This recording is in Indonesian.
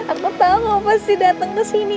aku tau kamu pasti datang kesini